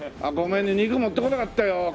ごめんね肉持ってこなかったよ。